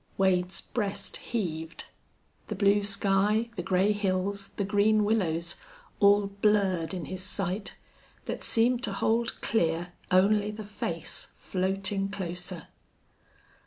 Wade's breast heaved. The blue sky, the gray hills, the green willows, all blurred in his sight, that seemed to hold clear only the face floating closer.